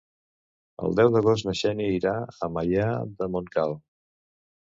El deu d'agost na Xènia irà a Maià de Montcal.